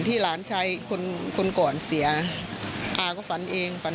ตลอดทั้งคืนตลอดทั้งคืน